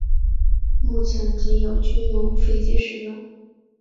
目前仅有军用飞机使用。